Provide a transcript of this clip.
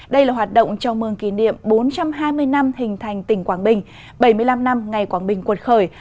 đây là hoạt động chào mừng kỷ niệm bốn trăm hai mươi năm hình thành tỉnh quảng bình bảy mươi năm năm ngày quảng bình cuột khởi